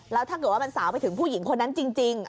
แล้วถ้าเกิดว่ามันสาวไปถึงผู้หญิงคนนั้นจริง